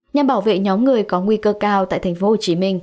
nhằm bảo vệ nhóm người có nguy cơ cao tại tp hcm